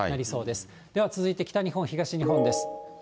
では続いて北日本、東日本です。